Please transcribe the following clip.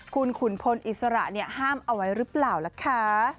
คุณขุนพลอิสระห้ามเอาไว้หรือเปล่าล่ะคะ